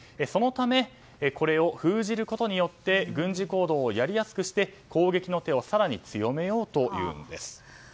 そのためこれを封じることによって軍事行動をやりやすくして攻撃の手を更に強めようというのです。